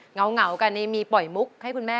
เหงากันนี่มีปล่อยมุกให้คุณแม่